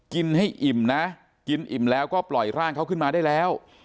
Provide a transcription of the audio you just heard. กินให้อิ่มนะกินอิ่มแล้วก็ปล่อยร่างเขาขึ้นมาได้แล้ว